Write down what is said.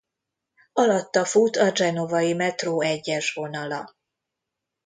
Alatta fut a Genovai metró egyes vonala.